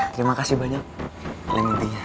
terima kasih banyak lemon tea nya